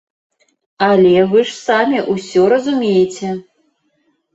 Але вы ж самі ўсё разумееце!